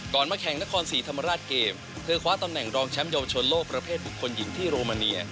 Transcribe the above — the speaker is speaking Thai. มาแข่งนครศรีธรรมราชเกมเธอคว้าตำแหน่งรองแชมป์เยาวชนโลกประเภทบุคคลหญิงที่โรมาเนีย